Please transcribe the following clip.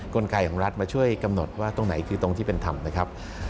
กลไกของรัฐมาช่วยกำหนดว่าตรงไหนคือตรงที่เป็นธรรมนะครับ